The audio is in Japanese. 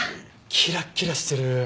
キラッキラしてる。